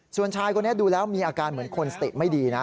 ส่วนชายคนนี้ดูแล้วมีอาการเหมือนคนสติไม่ดีนะ